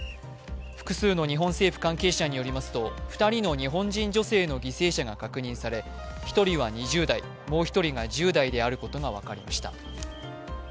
複数の日本政府関係者によりますと２人の日本人女性の犠牲が確認され１人は２０代、もう１人が１０代であることが分かりました。